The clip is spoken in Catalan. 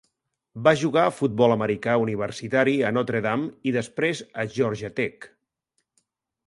Va jugar a futbol americà universitari a Notre Dame i després a Georgia Tech.